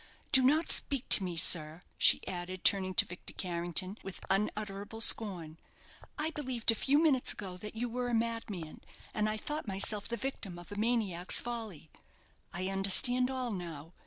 "Do not speak to me, sir," she added, turning to Victor Carrington, with unutterable scorn. "I believed a few minutes ago that you were a madman, and I thought myself the victim of a maniac's folly. I understand all now.